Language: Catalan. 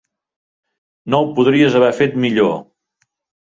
No ho podries haver fet millor.